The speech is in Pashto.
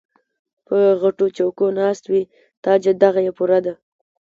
پۀ غټو چوکــــو ناست وي تاجه دغه یې پوره ده